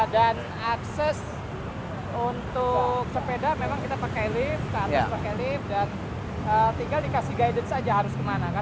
dan akses untuk sepeda memang kita pakai lift kak anies pakai lift dan tinggal dikasih guidance aja harus kemana